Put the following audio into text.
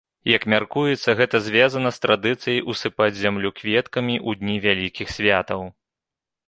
Як мяркуецца, гэта звязана з традыцыяй усыпаць зямлю кветкамі ў дні вялікіх святаў.